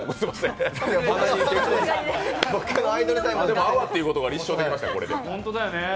でも、泡ってことが立証できました、これで。